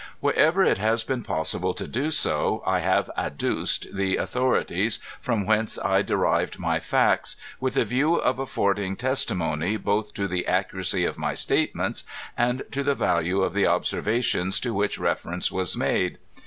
Wherever it has been possible to do so, I have adduced the au thorities from whence I derived my facts, with a view of abid ing testimony both to the accuracy of my statements and to the value of the observations to which reference was made.